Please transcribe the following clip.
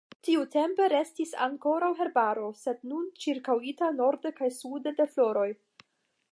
Tiutempe restis ankoraŭ herbaro, sed nun ĉirkaŭita norde kaj sude de floroj.